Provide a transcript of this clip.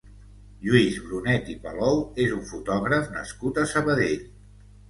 Lluís Brunet i Palou és un fotògraf nascut a Sabadell.